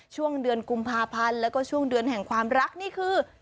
ช่วงเดือนกุมภาพันธ์แล้วก็ช่วงเดือนแห่งความรักนี่คือ